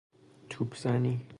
توپ زنی